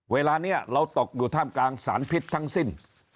เวลานี้เราตกอยู่ท่ามกลางสารพิษทั้งสิ้น